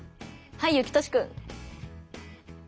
はいゆきとしくん。